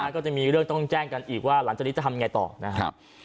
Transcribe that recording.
ก็จะมีเรื่องต้องแจ้งกันอีกว่าหลังจากนี้จะทำยังไงต่อนะครับ